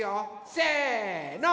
せの。